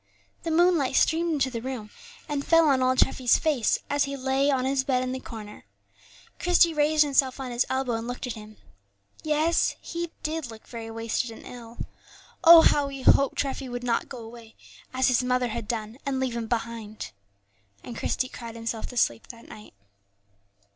The moonlight streamed into the room, and fell on old Treffy's face as he lay on his bed in the corner. Christie raised himself on his elbow, and looked at him. Yes, he did look very wasted and ill. Oh, how he hoped Treffy would not go away, as his mother had done, and leave him behind! And Christie cried himself to sleep that night.